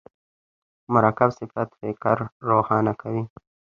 مرکب صفت فکر روښانه کوي.